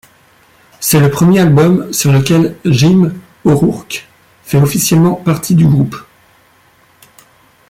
C'est le premier album sur lequel Jim O'Rourke fait officiellement partie du groupe.